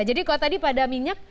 jadi kalau tadi pada minyak